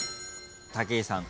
武井さん。